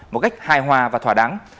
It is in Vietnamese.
một cách hài hòa và thỏa đáng